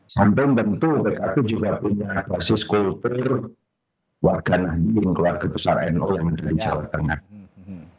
sampai tentu pkp juga punya basis kultur warga nabi yang keluarga besar no yang dari jawa tengah